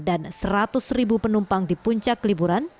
dan seratus penumpang di puncak liburan